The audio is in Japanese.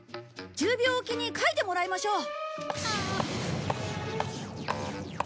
１０秒おきに描いてもらいましょう。